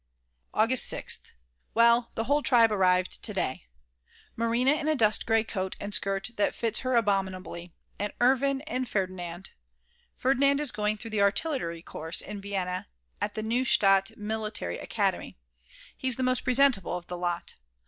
August 6th. Well, the whole tribe arrived to day; Marina in a dust grey coat and skirt that fits her abominably, and Erwin and Ferdinand; Ferdinand is going through the artillery course in Vienna, at the Neustadt military academy; he's the most presentable of the lot.